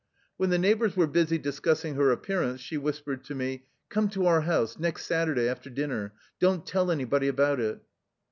When the neighbors were busy discussing her appearance, she whispered to me: ^^ Come to our house next Saturday after din ner. Don't tell anybody about it."